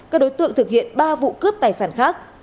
các đối tượng thực hiện ba vụ cướp tài sản khác